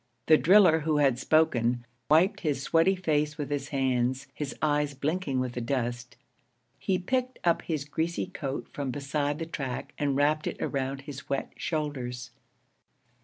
The driller who had spoken wiped his sweaty face with his hands, his eyes blinking with the dust. He picked up his greasy coat from beside the track and wrapped it around his wet shoulders.